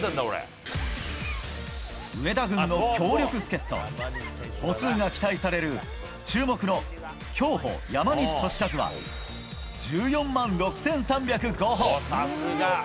上田軍の強力助っ人歩数が期待される注目の競歩・山西利和は１４万６３０５歩。